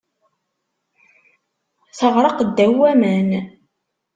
Teɣṛeq ddaw waman.